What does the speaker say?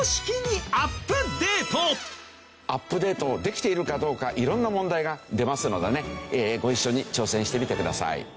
アップデートできているかどうか色んな問題が出ますのでねご一緒に挑戦してみてください。